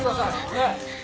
ねえ！